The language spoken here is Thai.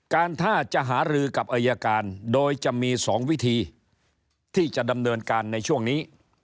ถ้าจะหารือกับอายการโดยจะมี๒วิธีที่จะดำเนินการในช่วงนี้